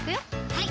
はい